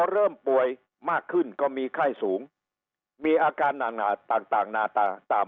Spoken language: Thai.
เริ่มป่วยมากขึ้นก็มีไข้สูงมีอาการอาหารต่างน่าตาม